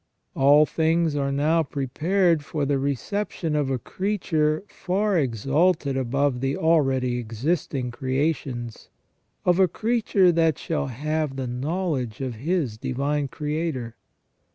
All things are now prepared for the reception of a creature far exalted above the already existing creations, of a creature that shall have the knowledge of his Divine Creator.